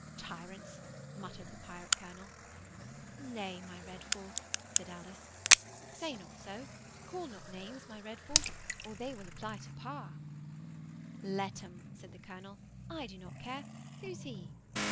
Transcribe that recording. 'Tyrants!' muttered the pirate colonel. 'Nay, my Redforth,' said Alice, 'say not so. Call not names, my Redforth, or they will apply to pa.' 'Let 'em,' said the colonel. 'I do not care. Who's he?